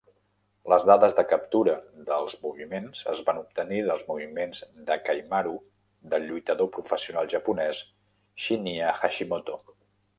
Les dades de captura dels moviments es van obtenir dels moviments d'Hakaimaru del lluitador professional japonès Shinya Hashimoto.